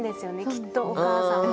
きっとお母さんは。